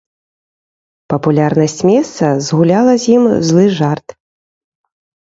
Папулярнасць месца згуляла з ім злы жарт.